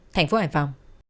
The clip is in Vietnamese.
thành phố hải phòng